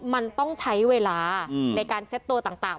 มันต้องใช้เวลาในการเซ็ตตัวต่าง